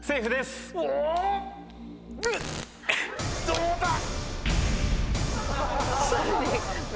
どうだ